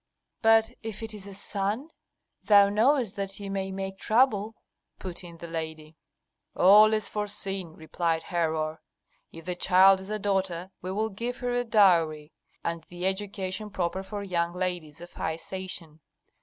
"But if it is a son? Thou knowest that he may make trouble," put in the lady. "All is foreseen," replied Herhor. "If the child is a daughter, we will give her a dowry and the education proper for young ladies of high station.